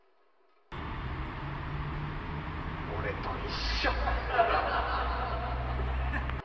俺と一緒。